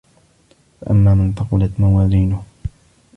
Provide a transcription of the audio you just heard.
فَأَمّا مَن ثَقُلَت مَوازينُهُ